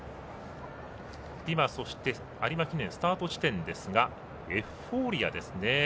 今、有馬記念スタート地点ですがエフフォーリアですね。